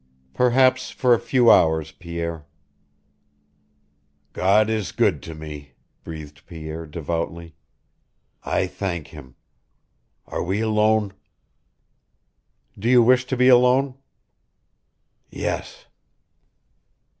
"Perhaps for a few hours, Pierre." "God is good to me," breathed Pierre, devoutly. "I thank Him. Are we alone?" "Do you wish to be alone?" "Yes."